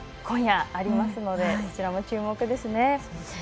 今夜ありますのでそちらも注目ですね。